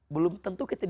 belum tentu kita dihinakan